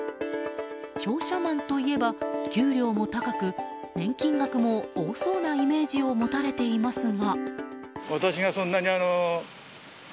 商社マンといえば給料も高く年金額も多そうなイメージを持たれていますが。